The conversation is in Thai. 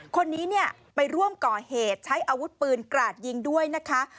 คนนี้เนี่ยไปร่วมก่อเหตุใช้อาวุธปืนกราดยิงด้วยนะคะ